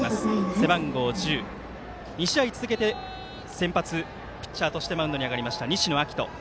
背番号１０、２試合続けて先発ピッチャーとしてマウンドに上がりました西野彰人。